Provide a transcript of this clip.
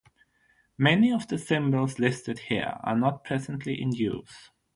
Many of the symbols listed here are not presently in use.